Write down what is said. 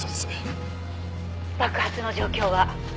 「爆発の状況は？」